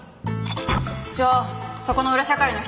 ちょっそこの裏社会の人。